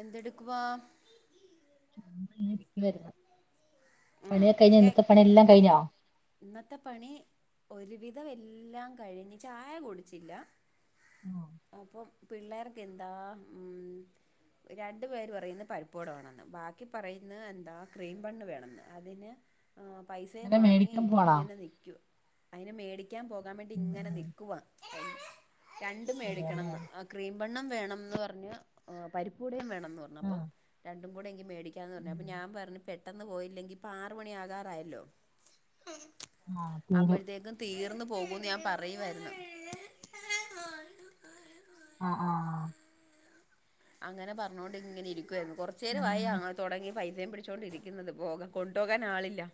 എന്തെടുക്കവാ? [unintelligible] ഉം പണിയക്ക കഴിഞ്ഞ കേ ഇന്നത്തെ പണിയെല്ലാം കഴിഞ്ഞോ? ഇന്നത്തെ പണി ഒരുവിധം എല്ലാം കഴിഞ്ഞ് ചായ കുടിച്ചില്ല [inaudible] അപ്പം പിള്ളേർക്കെന്താ ഉം രണ്ട് പേര് പറയുന്നു പരിപ്പ് വട വേണമെന്ന് ബാക്കി പറയുന്ന ന്താ ക്രീം ബണ്ണു വേണന്ന് അതിന് പൈസയും അല്ല വാങ്ങി മേടിക്കാൻ പോവാണോ ഇങ്ങനെ നിക്കൂ അതിന് മേടി ക്കാൻ പോകാൻ വേണ്ടി ഉം ഇങ്ങനെ ഉം നിക്കുവാ രണ്ടും അതെല്ലേ മേടിക്കണംന്ന് ക്രീംബംണും വേണംന്ന് പറഞ് പരിപ്പൂടയും വേണംന്ന് പറഞ്ഞു അപ്പം ആഹ് ര ണ്ടും കൂടെ എങ്കി മേടിക്കാന്ന് പറഞ്ഞു. അപ്പം ഞാൻ പറഞ്ഞു പെട്ടെന്ന് പോയില്ലെങ്കി ആറുമണിആകാറായല്ലോ ആഹ് തീരും അപ്പോഴത്തേക്കും തീർന്നു പോകുന്ന് ഞാൻ പറയുവായിര്ന്ന്. ആഹ് ആഹ് അങ്ങനെ പറഞ്ഞോണ്ട് ഇങ്ങണെ ഇരിക്കുവയിരുന്നു, കൊറച്ച നേരവായി പിന്നെ തുടങ്ങി വൈദ്യയം പിടിച്ചുകൊണ്ടിരിക്കുന്നത് പോക കൊണ്ടുപോകാൻ ആളില്ല.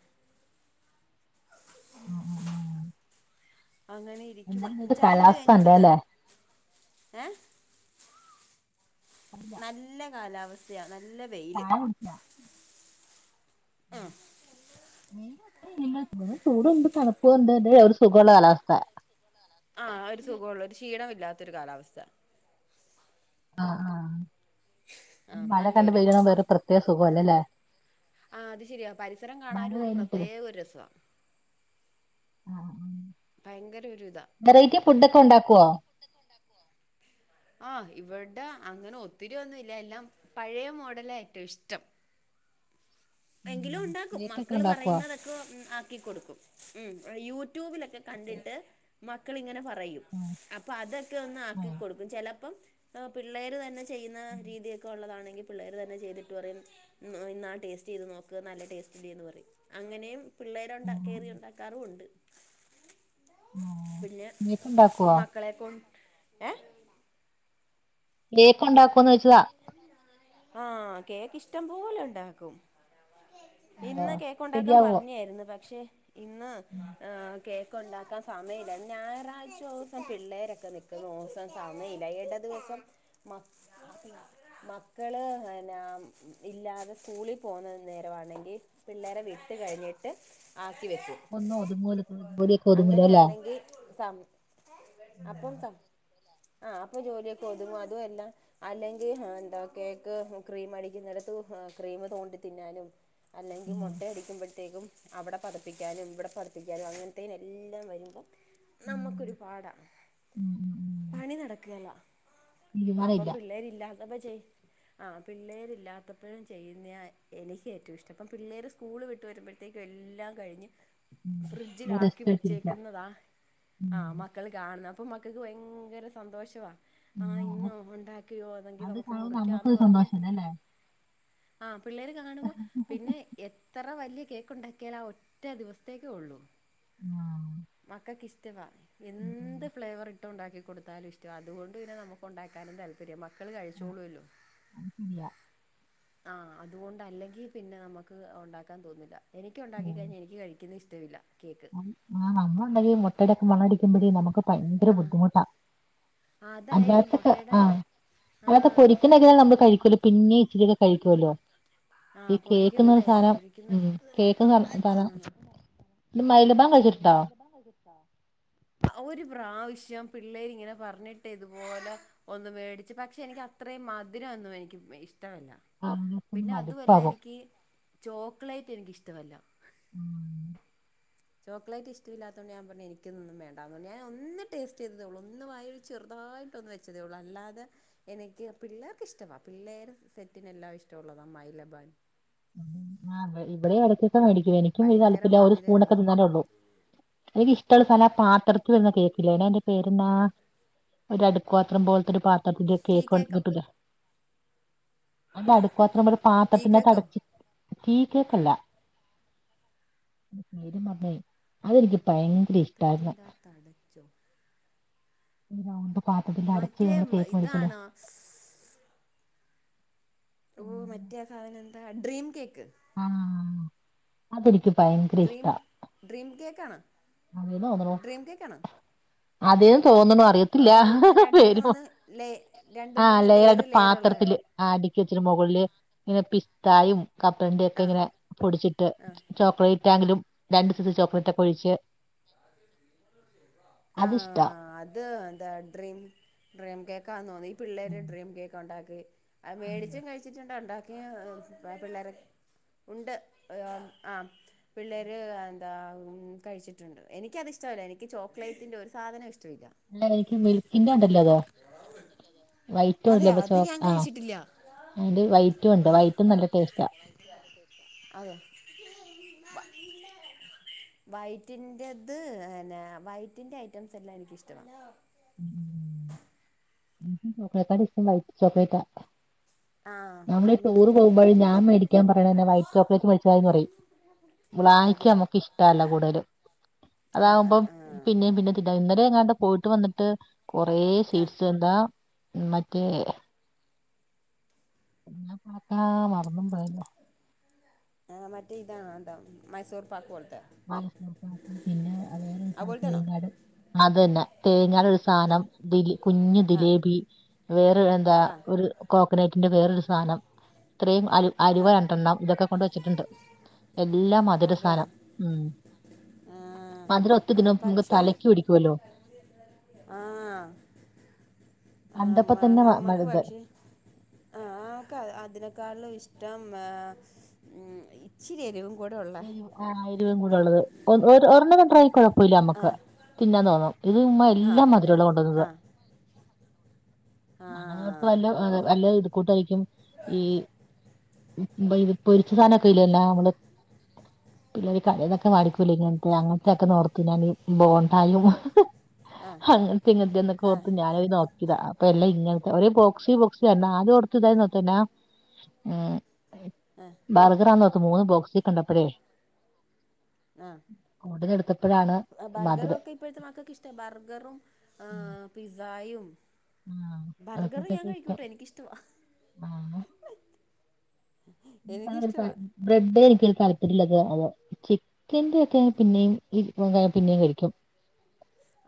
ഉം ഉം ഉം ഉ അങ്ങനെ ഇരിക്കുവാ ചായ കുടി കാലാവസ്ഥ കഴിഞ്ഞ അവിടത്തെ? ഉണ്ടല്ലേ ഏഹ് അല്ല നല്ല കാലാവസ്ഥ. യ നല്ല വെയില്. [unintelligible] ഉം [unintelligible] ഇപ്പൊ [unintelligible] ഒരു സുഖവുള്ള കാലവസ്ഥ ആ ഒരു സുഖവുള്ള ഒരു ക്ഷീണമില്ലാത്ത ഒരു കാലാവസ്ഥ ആഹ് ആ ആഹ് മഴ നല്ലൊരു കണ്ട്പെയ്യണം വേറ പ്രത്യേക സുഖല്ലല്ലേ ആ അത് ശരിയാ പരിസരം മഴ കാണാനും ഒരു കഴിഞ്ഞിട്ടേ പ്രത്യേക ഒരു രസവ ആ ഉ ഭയങ്കര ഒര്രിത വെറൈറ്റി ഫുഡ് ഒക്കെ ഉണ്ടാക്കുവോ ആഹ് ഇവടെ അങ്ങനെ ഒത്തിരി ഒന്നുംല്ല. എല്ലാം പഴയ മോഡല ഏറ്റവും ഇഷ്ടം എങ്കിലും ഉണ്ടാക്കും കേക്കൊക്കെ മക്കള് ഉണ്ടാക്കുവോ പറയുന്നതൊക്കെ ആക്കി കൊടുക്കും ഉം യൂട്യൂബിലൊക്കെ കേ കണ്ടിട്ട് മക്കളിങ്ങനെ പറയും ഉം അപ്പൊ അതൊക്കെ ഒന്ന് ഉം ആക്കിക്കൊടുക്കും ചിലപ്പോം പിള്ളേർ തന്നെ ചെയ്യുന്ന രീതിയൊക്കെ ഒള്ളതാണെങ്കിൽ പിള്ളേർ തന്നെ ചെയ്തിട്ട് പറയും ഇന്നാ ടേസ്റ്റ് ചെയ്ത് നോക്ക്. നല്ല ടേസ്റ്റ്ന്ന് പറയും അങ്ങനെയും പിള്ളേര് ഉം കേറി ഒണ്ടാക്കാറും ഉണ്ട് ആഹ് പിന്നെ കേക്ക് ഉണ്ടാക്കുവോ മക്കളെ കൊണ്ട് ഏ കേക്ക് ഉണ്ടകൊന്ന് ചോദിച്ചതാ ആഹ് കേക്ക് ഇഷ്ട്ടം പോലെ ഒണ്ടാക്കും അയ്യോ ഇന്ന് കേക്കുണ്ടാക്കാൻ ശരിയാവോ പറഞ്ഞായിരുന്നു. പക്ഷെ ഇന്ന് ഉം. ആ കേക്ക് ഒക്കെ ഉണ്ടാക്കാൻ സമയമില്ല. ഞായറാഴ്ച ദിവസം പിള്ളേരൊക്കെ നിക്കുന്ന ദിവസം സമയില്ല എടദിവസം മ മക്കള് എന്ന്നാ ഇല്ലാതെ സ്കൂളിൽ പോക്ന്ന നേരാണെങ്കിൽ പിള്ളേരെ വിട്ട് കഴിഞ്ഞിട്ട് ആക്കി വെക്കും ഒന്ന് ഒതുങ്ങോലു അങ്ങനെയാണെങ്കിൽ സം അപ്പം സം ആഹ് അപ്പൊ ജോലിയൊക്കെ ഒതുങ്ങോ അതും എല്ലാം അല്ലെങ്കിൽ എന്താ കേക്ക് ക്രീം അടിക്കുന്നെടത്ത് ക്രീം തോണ്ടി തിന്നാലും അല്ലെങ്കിൽ ഉം മുട്ടയടിക്കുമ്പോഴത്തേക്കും അവിടെ പതപ്പിക്കാനും ഇവിടെ പതപ്പിക്കാനും അങ്ങനെ അത്തേനെല്ലാം വരുമ്പം ഉം നമുക്കൊരുപാടാ ഉം ഉം പണി നടക്കേലാ തീരുമാനം അപ്പൊ ഇല്ല പിള്ളേരില്ലാത്തപ്പ ചെയ് ആഹ് പിള്ളേരില്ലാത്തപ്പോ ചെയ്യുന്നയ എനിക്ക് ഏറ്റവും ഇഷ്ടം അപ്പം പിള്ളേർ സ്കൂള് വിട്ട് വരുമ്പോഴത്തേക്കും എല്ലാം കഴിഞ്ഞ് ഉം ഫ്രിഡ്ജിൽ ആ തീരുമാനമില്ല. റെസ്റ്റ് എടുത്തിരിക്ക വെച്ചേക്കുന്നതാ ഉം ആഹ് മക്കൾ കാണുന്ന അപ്പൊ മക്കൾക്ക് ഭയങ്കര സന്തോഷവാ ആഹ് ഇന്നോ ഒണ്ടാക്കിയോ അതെങ്കി അത് നമുക്ക് കാണുമ്പോ മുറിക്കാന്ന് നമ്മുക്കൊരു പറഞ്ഞ് സന്തോഷല്ലേ അല്ലേ ആ പിള്ളേര് കാണുമ്പോ പിന്നെ എ എത്തറ വല്യ കേക്ക് ഒണ്ടാക്കിയാലും ആ ഒറ്റേ ദിവസത്തേക്കേ ഉള്ളൂ ആഹ് മക്കക്ക് ഇഷ്ടവാ ഉം. എന്ത് ഫ്ലേവർ ന്തു ഉണ്ടാക്കി കൊടുത്താലും ഇഷ്ടവാ. അതുകൊണ്ട് പിന്നെ നമുക് ഉണ്ടാക്കാനും താല്പര്യമ മക്കള് കഴിച്ചോളൂവല്ലോ അത് ശരിയാ ആഹ് അതുകൊണ്ട് അല്ലെങ്കി പ്പിന്നെ നമുക്ക് ഉണ്ടാക്കാൻ തോന്നുന്നില്ല എനിക്ക് ഉണ്ടാക്കി കഴിഞ്ഞ് എനിക്ക് കഴിക്ക ക്കുന്നെ ഇഷ്ടമില്ല കേക്ക് ആ നമ്മളുണ്ടാക്കിയ മുട്ടടൊക്കെ മണടിക്കുമ്പോഴേ നമുക്ക് ഭയങ്കര ആഹ് ബുദ്ധിമുട്ടാ. ആഹ് അതായിരിക്കും അല്ലാത്തൊക്കെ. മുട്ടയുടെ ആഹ് അല്ലാത്തൊക്കെ ആഹ് ഒരിക്കി പിന്നെ നമ്മ കഴിക്കുമല്ലോ പിന്നേം ഇച്ചിരിക്കെ കഴിക്കുവല്ലോ ഈ ആഹ് പൊരിക്കുന്ന കേക്ക്ന്ന് പറഞ്ഞ നേരാ സാനം പൊരിക്കുന്ന കേക്ക്ന്ന് പറഞ്ഞ പറ ഇ മൈലബാൻ കഴിച്ചിട്ടുണ്ടോ ഒരു പ്രാവശ്യം പിള്ളേരിങ്ങനെ പറഞ്ഞിട്ട് ഇതുപോലെ ഒന്ന് മേടിച്ച് പക്ഷെ എനിക്ക് അത്രയും മധുരൊന്നും എനിക്ക് ഇഷ്ടവല്ല മടുപ് ല്ല എനിക്ക് ചോക്ലേറ്റ് എനിക്കിഷ്ടവല്ല. ചോക്ലേറ്റിഷ്ടമില്ലാത്തൊണ്ടു ഞാൻ പറഞ്ഞത് എനിക്കതൊന്നും വേണ്ടാന്നുകൊണ്ട് ഞാൻ ഒന്ന് ടസ്റ്റ് ചെയ്തേ ഉള്ളൂ ഒന്ന് വായില് ചെറുതായി ഒന്ന് വെച്ചതേള്ളൂ അല്ലാതെ എനിക്ക് പിള്ളേർക്കിഷ്ട്ടവാ പിള്ളേർ സെറ്റിനെല്ലാം ഇഷ്ടമുള്ളതാ മൈലബാൻ ഇവിടെയും ഇടക്കൊക്കെ മേടിക്കും എനിക്കും ഇത് ഭയങ്കര തല്പ്പില്ല ഒരു മധുരല്ലേ സ്പൂണൊക്കെ തിന്നാലേള്ളൂ എനിക്കിഷ്ടമുള്ള സാനം പാത്രത്തില് വരുന്ന കേക്കില്ലേ അയിന്റെ പേരെന്നാ ഒരു അടുക്ക്‌പാത്രം പോലത്തെ ഒരു പാത്രത്തിന്റെ ടീ കേക്ക് കേക്കോ കിട്ടുല്ലേ അല്ല അടുക്പാത്രം ബടെ ടീ കേക്കോ പാത്രത്തിനാത്തടച്ചു തീ കേക്കല്ല പേരും മറന്നോയി. അതെനിക്ക് ഭയങ്കര ഇഷ്ടാരുന്നു. തടച്ചോ ഒന്നണ്ട് പാത്രത്തിലടച്ച് മറ്റേ ഒന്നും കേക്ക് മേടിക്കലെ [inaudible] ഓ മറ്റേ സാധനെന്താ ഡ്രീം കേക്ക് ആഹ് അതെനിക്ക് ഭയങ്കര ഡ്രീം ഇഷ്ടാ ഡ്രീം കേക്ക് ആണോ അതെ തോന്നണു. അതെന്ന് തോന്നുണു. അറിയത്തില്ല രണ്ട് വരുമോ. മൂന്ന് ലേ രണ്ട് ആ മൂന്ന് ലെയറ് ലയെറായിട്ട് ലെയറുള്ള പാത്രത്തില് അടിക്കി വെച്ചിട്ട് മൊകളില് ഇങ്ങനെ പിസ്തായും കപ്പലണ്ടീം ഒക്കെ ആ ഇങ്ങനെ പൊടിച്ചിട്ട്. ആ ചോക്ലേറ്റ് ആങ്കിലും. രണ്ട് സെറ്റ് ചോക്ലേറ്റ് ഒക്കെ ഒഴിച്ച് ആ അതിഷ്ടാ അത് എന്താ ഡ്രീം ഡ്രീം കേക്കാ തോന്നി. പിള്ളേര് ഉം. ഡ്രീം കേക്ക് ഉണ്ടാക്കി അത് ഉം. മേടിച്ചം കഴിച്ചിട്ടുണ്ട് ഉണ്ടാക്കിയും പിള്ളേരെക്കെ ഉണ്ട് ഔ ആ പിള്ളേര് എന്താ കഴിച്ചിട്ടുണ്ട് എനിക്കതിഷ് ച്ചമല്ല എനിക്ക് ചോക്ലേറ്റിൻ്റെ ഒരു സാധനോം ഇഷ്ടമില്ല എനിക്ക് മിൽക്കിന്റെ ഉണ്ടല്ലോ അത് വൈറ്റും അതെ ഇല്ലേ അത് ചേ. ഞാൻ ആ കഴിച്ചിട്ടില്ല അതിന്റെ വൈറ്റും ഉണ്ട് വൈറ്റും നല്ല ടേസ്റ്റാ [unintelligible] അതെ വയറ്റിന്റേത് പിന്നെ വൈറ്റിന്റെ ഐറ്റംസ് എല്ലാം എനിക്കിഷ്ടമാണ്. ഉം [unintelligible] ചോക്ലേറ്റാ നമ്മള് ആഹ് ടൂറ് മിൽക്കിൻ്റെ പോകുമ്പോഴും ഞാൻ ഐറ്റംസ് മേടിക്കാ പറയണെന്നാ വൈറ്റ് ചോക്ലേറ്റ് മേടിച്ചാമതീന്ന് പറയും. വാങ്ങിക്കാ അതെയോ നമ്മക്ക് ഇഷ്ടല്ല കൂടുതലും. ആഹ് ആഹ് അതാകുമ്പം ആഹ് പിന്നേം പിന്നേം ഇന്നലെ എങ്ങാണ്ട് പോയിട്ട് വന്നിട്ട് കൊറെ ആഹ് സ്വീറ്റ്‌സ് എന്താ മറ്റേ എന്നാ ക്കാ മറന്നും പോയല്ലോ ആഹ് മറ്റേ ഇതാ എന്താ മൈസൂർ പാക്ക് പോലത്തെ പിന്നെ അതുപോലത്തെയാണോ [unintelligible] അത് തന്നെ തേങ്ങാട് ആ സാനം ദിലി കുഞ്ഞു ആ ദിലേബി വേറെ എന്താ ആ ഒരു കോക്കനറ്റിന്റെ വേറൊരു സാധനം ഇത്രേം അല അലുവ ആ രണ്ടെണ്ണം ഇതൊക്കെ കൊണ്ട് വെച്ചിട്ടുണ്ട് എല്ലാ മധുരസാനം മധുരം ഒത്തിരി ആഹ് തിന്നുമ്പോ നമുക്ക് പക്ഷേ തലയ്ക്ക് പിടിക്കുവല്ലോ ആഹ് ആഹ് കണ്ടപ്പോ മ തന്നെ നമ്മക്ക് പക്ഷേ ആഹ് ക്ക് അതിനേക്കാളിലും ഇഷ്ടം ഏഹ് ഉം ച്ചിരി എരിവും കൂടെ ഉള്ളെ ആ എരിവും കൂടെള്ളത് ഒ ഒരെണ്ണം ട്രൈ കുഴപ്പമില്ല ആ നമ്മക്ക് തിന്നാൻ തോന്നും ഇത് ഉമ്മാ ആ എല്ലാം മധുരം ഉള്ളത് ആ കൊണ്ടന്നതാ ആ ആ ഞങ്ങളത്തെ വല്ല വല്ല ഇത് കൂട്ടായിരിക്കും ഈ ഉം പൊരി പൊരിച്ച സാധനൊക്കെ ഇല്ലന്ന നമ്മള് പിന്നെര് കടയെന്നൊക്കെ വാടിക്കൂല ഇങ്ങനത്തെ അങ്ങനത്തൊക്കെ നോർത്ത് ബോണ്ടായും ആ അങ്ങനത്തെ ഇങ്ങനത്തെ എന്നൊക്കെ ആ ഓർത്ത് ഞാന താ അപ്പ എല്ല ഇങ്ങനത്തെ ഒ ഒരു ബോക്സി ബോക്സ് തന്നെ ആരും കൊടുത്ത ഇതായി പിന്ന ആഹ് ആഹ് ബർഗറാണന്നോർത്ത് മൂന്ന് ബോക്സിൽ കണ്ടപ്പഴേ ആ ആ, കൊടലെടുത്തപ്പഴാണ് ബർഗറും മധുരം ഒക്കെ ഇപ്പോഴത്തെ മക്കക്ക് ഇഷ്ട ബർഗറും ആഹ് പിസ്സായും ആഹ് അത് ബർഗറ് ഞാൻ കൂട്ടൊക്കെ ഇഷ്ടം കഴിക്കൂട്ടെ എനിക്കിഷ്ടവാ ആഹ് ഞാൻ പറിംബ്രെഡ് എനിക്ക് തലത്തിലുള്ളത് ആവോ ചിക്കന്റെ ഒക്കെ പിന്നെയും ഇത് പിന്നെയും കഴിക്കും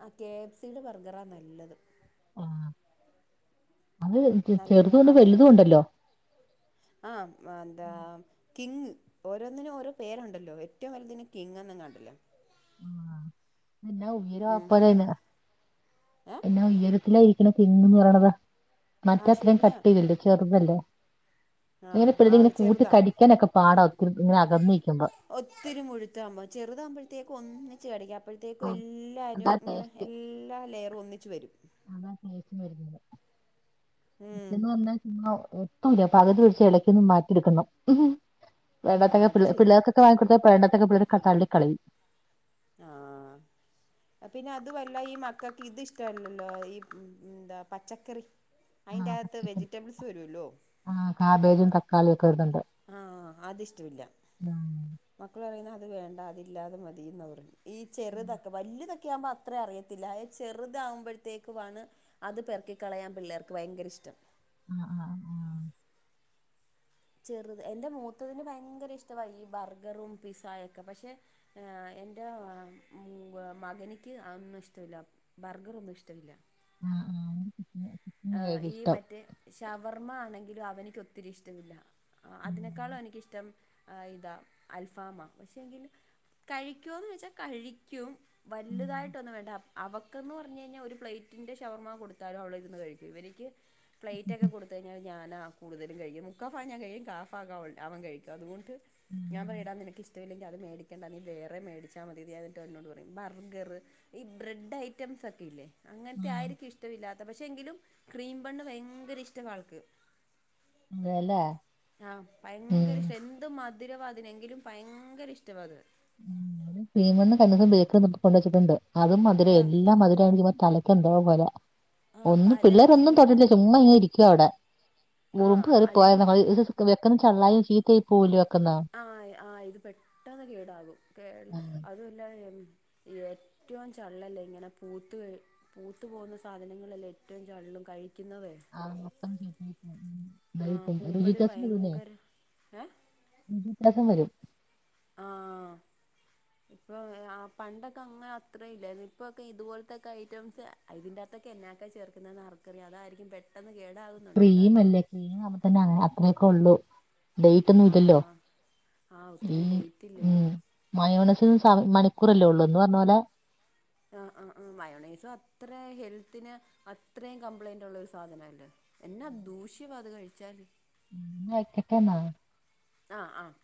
ആഹ് കെ എഫ് സിയുടെ ബർഗറാ നല്ലത് ആഹ് അത് നല്ല ചെറുതും ഒണ്ട് വലുതും ഒണ്ടല്ലോ ആഹ് മാന്ത കിങ് ഓരോന്നിനും ഓരോ പേരുണ്ടല്ലോ ഏറ്റവും വലുതിന് കിങ് എന്നങ്ങാണ്ടല്ലേ ആ എന്നാ ഉയര ഉം ആ അപ്പലന്ന ഏ എന്നാ ഉയരത്തിലായിരിക്കണത് കിങ് എന്ന് പറയണത് ആ മറ്റത്രേം ശരിയാ കട്ടെയ്യല്ലേ ചെറുതല്ലേ ആ ഇങ്ങനത്ത ആ പിളി ചെറുതാ കൂട്ടിക്കടിക്കാനൊക്കെ പാട ഒത്തിരി ഇങ്ങനെ അകന്നിരിക്കുമ്പോ ഒത്തിരി മുഴുത്താകുമ്പോ ചെറുതാകുമ്പോഴത്തേക്കും ഒന്ന് കടിക്ക അപ്പോഴത്തേക്കും ഉം, അതാ എല്ലാരും ഇങ്ങനെ ടേസ്റ്റ് എല്ലാ ലെയറും ഒന്നിച്ച് വരും അതാ കയച്ചും വരുന്നത് ഉം മറ്റന്ന് വന്നാ ഒട്ടും ഇല്ല പകുതി പിടിച്ച് ഇടയ്ക്കൊന്ന് മാറ്റെടുക്കന്നു ആ ഇടക്കാക്കെ അത് പിള്ളേ ശരിയാ പിള്ളേർക്കൊകെ വാങ്ങിക്കൊടുത്താ പണ്ടത്തേക്കെപിള്ളേര് തള്ളിക്കളയും ആഹ് പിന്നെ അത് വല്ല ഈ മക്കൾക്ക് ഇത് ഇഷ്ടമല്ലല്ലോ ഈ എന്താ പച്ചക്കറി അതിൻ്റെ ആഹ് അകത്ത് പച്ചക്കറി വെജിറ്റബിൾസ് വരുമല്ലോ ആഹ് കാബേജും തക്കാളി ഒക്കെ ഇടുന്നുണ്ട് ആഹ് അതിഷ്ടമില്ല ആഹ് മക്കൾ പറയുന്നത് അത് വേണ്ട അതില്ലാതെ മതിന്നാ പറയുന്നേ ഈ ചെറുതൊക്ക വലിയതൊക്കെ ആകുമ്പോ അത്ര അറിയത്തില്ല അത് ചെറുതാകുമ്പോഴത്തേക്കു വാണ് അത് പെറക്കി കളയാൻ പിള്ളേർക്ക് ഭയങ്കര ഇഷ്ടം [inaudible] ചെറുത് എന്റെ മൂത്തതിന് ഭയങ്കര ഇഷ്ട ഈ ബർഗറും പിസ്സായൊക്കെ പക്ഷെ ഏഹ് എന്റെ മൂ മകനിക്ക് അതൊന്നും ഇഷ്ടവില്ല ബർഗറൊന്നും ഇഷ്ടല്ല ആഹ് ആഹ് ആ ഈ ഇഷ്ടം മറ്റേ ഷവർമ്മ ആണെങ്കിലും അവനിക്ക് ഒത്തിരി ഇഷ്ടമില്ല ആഹ് അതിനേക്കാളും എനിക്കിഷ്ടം ആഹ് ഇതാ അൽഫാമാ പക്ഷെ എങ്കില് കഴിക്കോന്ന് വെച്ചാ കഴിക്കും. ആഹ് വലുതായിട്ടൊന്ന് വേണ്ട അവക്കെന്ന് പറഞ്ഞു കഴിഞ്ഞാ ഒരു പ്ലേറ്റിന്റെ ഷവർമ്മ കൊടുത്താലും അവള് ഇരുന്ന് കഴി ഇവരിക്ക് പ്ലേറ്റ് ഒക്കെ കൊടുക്ക [unintelligible] ഞാനാ കൂടുതലും കഴിക്കുന്ന മുക്കാഭാഗം ഞാൻ കഴിക്കും കാഭാഗം അവൻ കഴിക്കും അതുകൊണ്ട്. ഞാൻ പറയും ഡാ ന്നിനക്ക് ഇഷ്ടമില്ലെ അത് മേടിക്കണ്ടാ നീ വേറെ മേടിച്ചാ മതിയന്ന് എന്നിട്ട് എന്നോട് പറയും ബർഗറ് ഈ ബ്രെഡ് ഐറ്റംസ് ഒക്കെ ഇല്ലേ അങ്ങനത്തെ ആയിരിക്കും ഇഷ്ടവില്ലാത്ത പഷെ എങ്കിലും ക്രീം ബണ്ണ് ഭയങ്കര ഇഷ്ടവാൾക്ക്. അതെല്ലേ ആഹ് ഭയങ്കര ഉം ഇഷ്ടം എ അത് മധുരവാതിനെങ്കിലും ഭയങ്കര ഇഷ്ടവാത്. [unintelligible] ബേക്കറി കൊണ്ട് വച്ചിട്ടുണ്ട് അതും മധുരം ആ എല്ലാ മധുരം തല എന്തോ പോലാ ആ ഒന്നും തലയ്ക്ക് പിള്ളേരൊന്നും തൊട്ടില്ല ചുമ്മ പിടിക്ക് ഇങ്ങനെ ഇരിക്കുവ അവിടെ ആ ഉറുമ്പ് കേറി പോയി അല്ലെങ്കിൽ [unintelligible] [unintelligible] ചള്ളായ ചീത്തായി പോവുലെ വെക്കുന്നാ. ആഹ് ആഹ് ഇത് പെട്ടെന്ന് കേടാകും കേ അതുമല്ല ഏറ്റവും ചള്ളല്ലേ ഇങ്ങനെ പൂത്ത് ക പൂത്തു പോകുന്ന സാധനങ്ങളെല്ലാം ഏറ്റവും ചള്ളും കഴിക്കുന്നതേ ആഹ് പൂപ്പല് ഭയങ്കര ഏ [unintelligible] ഇൻഫെക്ഷൻ വരും ആഹ് [inaudible] ഇപ്പൊ ആ പണ്ടൊക്കെ അങ്ങനെ അത്ര ഇല്ല ഇപ്പൊക്കെ ഇതുപോലത്തെക്കെ ഐറ്റംസ്. ഇതിന്റെകത്തൊക്കെ എന്നാക്ക ചേർക്കുന്നേന്ന് ആർക്കറിയാ അതായിരിക്കും പെട്ടെന്ന് കേടാ ക്രീം അല്ലേ ക്രീം ആകുമ്പ തന്നെ അത്രയൊക്കെ ഉള്ളൂ ഡേറ്റ്ഒന്നും ഇല്ലല്ലോ ആഹ് ആഹ് ഒത്തിരി ഉം ഡേറ്റ് ഇല്ലല്ലോ ഉം. മയോണസിൽ സ മണിക്കൂറല്ലേ ഉള്ളൂ എന്ന് പറഞ്ഞ പോലെ. ആഹ് ആഹ് ആഹ് മയോണൈസും അത്ര ഹെൽത്തിന് അത്രയും കംപ്ലൈന്റ് ഉള്ള ഒരു സാധനല്ലേ. എന്നാ ദൂഷ്യവാ അത് കഴിച്ചാല്. ന്നെ വെക്കട്ടെ എന്നാ. ആഹ് ആഹ്